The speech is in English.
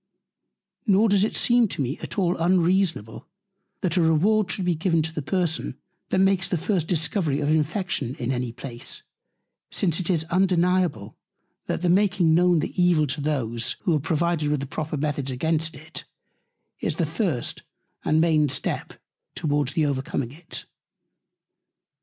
Nor does it seem to me at all unreasonable, that a Reward should be given to the Person, that makes the first Discovery of Infection in any Place; since it is undeniable, that the making known the Evil to those, who are provided with proper Methods against it, is the first and main Step towards the overcoming it.